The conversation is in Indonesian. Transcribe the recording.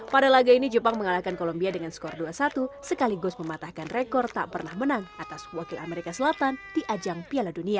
pada laga ini jepang mengalahkan kolombia dengan skor dua satu sekaligus mematahkan rekor tak pernah menang atas wakil amerika selatan di ajang piala dunia